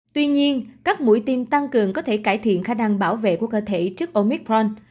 tuy nhiên các mũi tiêm tăng cường có thể cải thiện khả năng bảo vệ của cơ thể trước omicron